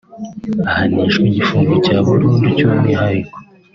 ahanishwa igifungo cya burundu cy’umwihariko